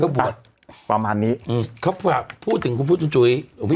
อืมอันนี้ประมาณนี้อืมเขาพูดถึงคุณพุทธจุ๋ยอ๋อพี่